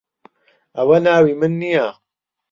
ئەوە ناوی من نییە.